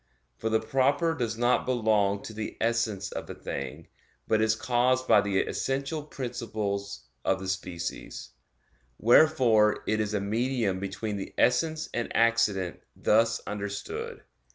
For the 'proper' does not belong to the essence of a thing, but is caused by the essential principles of the species; wherefore it is a medium between the essence and accident thus understood.